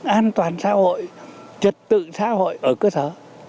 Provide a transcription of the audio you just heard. an toàn xã hội trật tự xã hội ở cơ sở